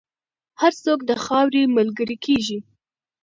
هر څوک د خاورې ملګری کېږي.